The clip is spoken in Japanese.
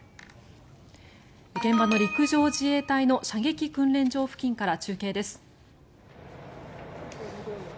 現場の陸上自衛隊の射撃訓練場付近から中継です。